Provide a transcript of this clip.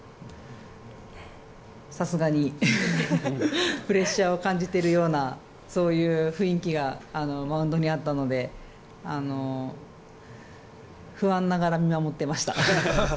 さすがにプレッシャーを感じているようなそういう雰囲気がマウンドにあったので不安ながら見守っていました。